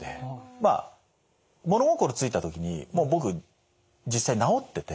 まあ物心付いた時にもう僕実際治ってて。